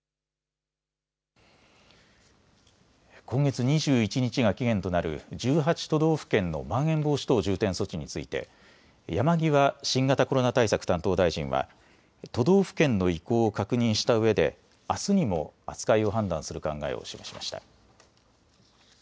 今月２１日が期限となる１８都道府県のまん延防止等重点措置について山際新型コロナ対策担当大臣は都道府県の意向を確認したうえであすにも扱いを判断する考えを示しました。